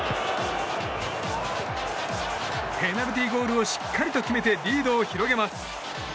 ペナルティーゴールをしっかりと決めてリードを広げます。